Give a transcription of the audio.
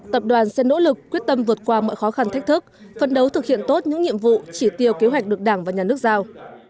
tập đoàn sẽ nỗ lực quyết tâm vượt qua mọi khó khăn thách thức phân đấu thực hiện tốt những nhiệm vụ chỉ tiêu kế hoạch được đảng và nhà nước giao